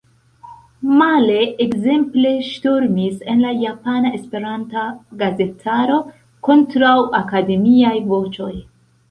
Male – ekzemple ŝtormis en la japana esperanta gazetaro kontraŭakademiaj voĉoj.